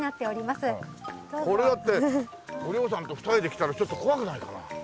これだってお龍さんと２人で来たらちょっと怖くないかな？